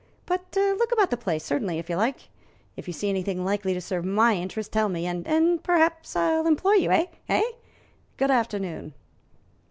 But look about the place, certainly, if you like. If you see anything likely to serve my interests, tell me, and and perhaps I'll employ you, eh, eh? Good afternoon."